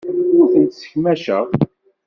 Ur tent-ssekmaceɣ.